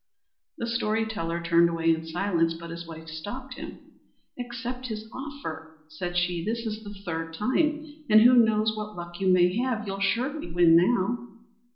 The story teller turned away in silence, but his wife stopped him. "Accept his offer," said she. "This is the third time, and who knows what luck you may have? You'll surely win now."